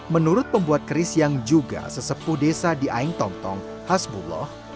menurut pembuat keris yang juga sesepuh desa di aing tom tong hasbullah